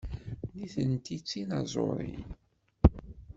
Nitenti d tinaẓurin.